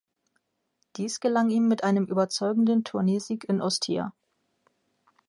Dies gelang ihm mit einem überzeugenden Turniersieg in Ostia.